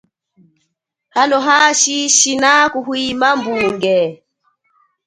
Hano hashi shina kuhwima mbunge.